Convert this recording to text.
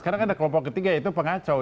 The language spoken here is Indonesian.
karena kan ada kelompok ketiga itu pengacau